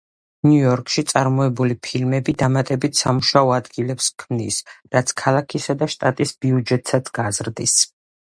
ნიუ-იორკში წარმოებული ფილმები დამატებით სამუშაო ადგილებს ქმნის, რაც ქალაქისა და შტატის ბიუჯეტსაც გაზრდის.